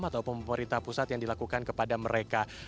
atau pemerintah pusat yang dilakukan kepada mereka